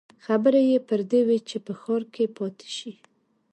خبرې يې پر دې وې چې په ښار کې پاتې شي.